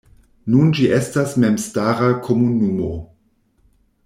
Nun ĝi estas memstara komunumo.